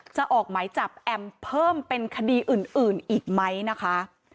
ออกหมายจับแอมเพิ่มเป็นคดีอื่นอีกไหมนะคะ